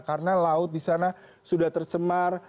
karena laut di sana sudah tercemar